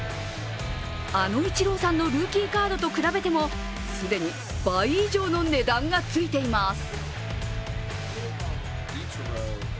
あのイチローさんのルーキーカードと比べても、既に倍以上の値段がついています。